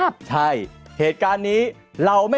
ล้อไม่ล่ะขอรับ